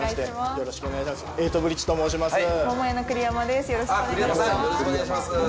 よろしくお願いします。